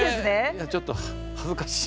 「いやちょっと恥ずかしい」。